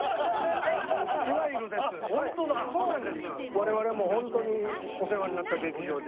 我々もホントにお世話になった劇場で。